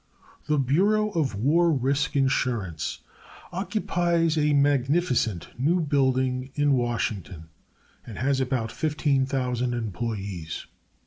The Bureau of War Risk Insurance occupies a magnificent new building in Washington and has about 15,000 employees.